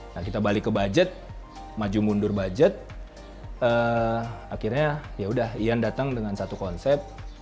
nah kita balik ke budget maju mundur budget akhirnya yaudah ian datang dengan satu konsep